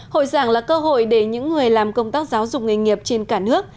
hội giảng là cơ hội để những người làm công tác giáo dục nghề nghiệp trên cả nước